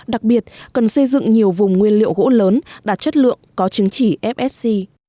đặc biệt cần xây dựng nhiều vùng nguyên liệu gỗ lớn đạt chất lượng có chứng chỉ fsc